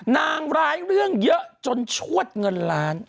นางร้ายเรื่องเยอะจนชวดเงินล้าน